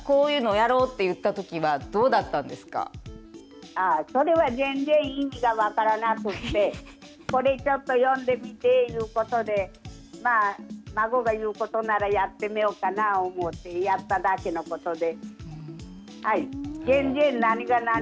最初に竜二さんがこういうのやろうと言ったときはそれは全然意味が分からなくってこれちょっと読んでみて言うことで孫が言うことならやってみようかな思うてやっただけのことで。